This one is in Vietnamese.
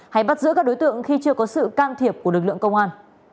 hay bắt giữ các đối tượng khi chưa có sự can thiệp của lực lượng công an